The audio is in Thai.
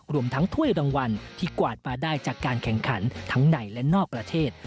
รวมทั้งถ้วยรางวัลที่กวาดมาได้จากการแข่งขันทั้งในและนอกประเทศ